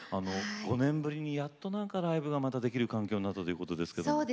５年ぶりにやっとなんかライブがまたできる環境になったということですけど。